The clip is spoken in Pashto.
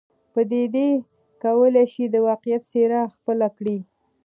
پدیدې کولای سي د واقعیت څېره خپل کړي.